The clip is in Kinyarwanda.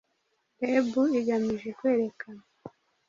reb igamije kwerekana